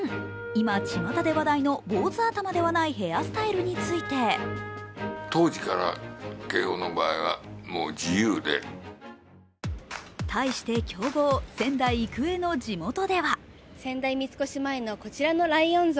今、ちまたで話題の坊主頭ではないヘアスタイルについて対して強豪・仙台育英の地元では仙台三越前のこちらのライオン像。